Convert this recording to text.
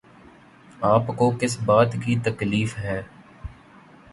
آپ کو کس بات کی تکلیف ہے؟